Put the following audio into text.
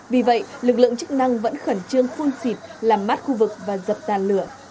vì vậy lực lượng chức năng vẫn khẩn trương phun xịt làm mắt khu vực và dập tàn lửa